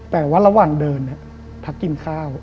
แต่ว่าระหว่างเดินพักกินข้าว